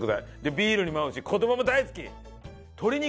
ビールにも合うし子どもも大好き。